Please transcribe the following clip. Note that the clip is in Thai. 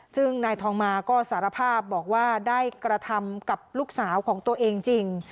ซึ่งนายทองมาก็สารภาพบอกว่าได้กระทำกับลูกสาวของตัวเองจริง